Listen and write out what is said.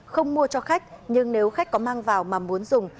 không mua cho khách nhưng nếu khách có mang vào mà muốn dùng